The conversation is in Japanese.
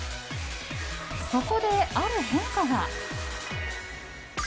そこである変化が。